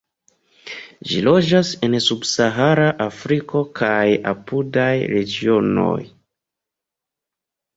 Ĝi loĝas en subsahara Afriko kaj apudaj regionoj.